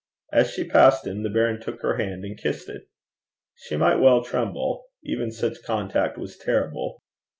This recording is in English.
As she passed him, the baron took her hand and kissed it. She might well tremble. Even such contact was terrible.